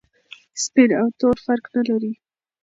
سپین او تور فرق نلري.